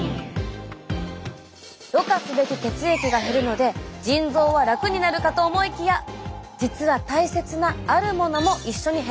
ろ過すべき血液が減るので腎臓は楽になるかと思いきや実は大切なあるものも一緒に減ってしまうんです。